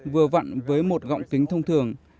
vừa vặn với một gọng kính thông thường